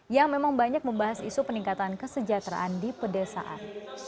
yang memang banyak membahas isu peningkatan kesejahteraan di pedesaan